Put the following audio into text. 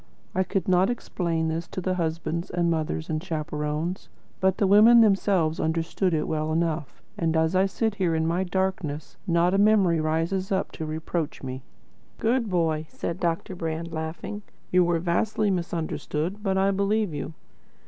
I could not explain this to the husbands and mothers and chaperons, but the women themselves understood it well enough; and as I sit here in my darkness not a memory rises up to reproach me." "Good boy," said Deryck Brand, laughing. "You were vastly misunderstood, but I believe you."